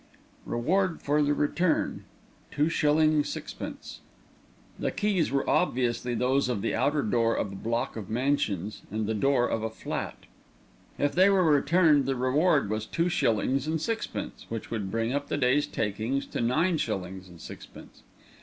Reward for their return, 2s. 6d." The keys were obviously those of the outer door of a block of mansions and the door of a flat. If they were returned the reward was two shillings and sixpence, which would bring up the day's takings to nine shillings and sixpence.